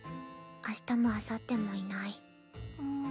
明日もあさってもいないん？